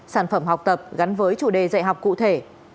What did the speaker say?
sản phẩm học tập gắn với chủ đề dạy học cụ thể